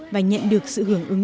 và nhận được sự hưởng thức